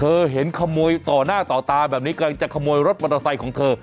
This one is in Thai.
เห็นขโมยต่อหน้าต่อตาแบบนี้กำลังจะขโมยรถมอเตอร์ไซค์ของเธอ